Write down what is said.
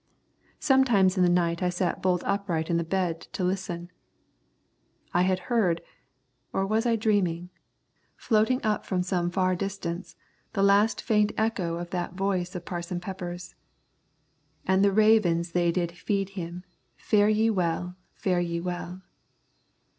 Sometime in the night I sat bolt upright in the good bed to listen. I had heard, or was I dreaming, floating up from some far distance, the last faint echo of that voice of Parson Peppers. "An' the ravens they did feed him, fare ye well, fare ye well."